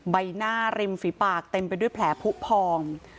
ใบหน้าริมฝีปากเต็มไปด้วยแผลผู้พอง